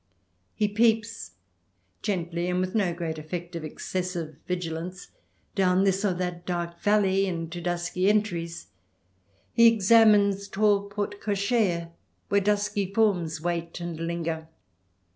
He peeps, gently, and with no great effect of excessive vigilance, down this or that dark valley, into dusky entries ; he examines tall porte cocheres where dusky forms wait and linger.